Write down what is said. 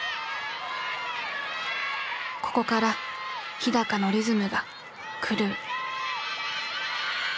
ここから日のリズムが狂う。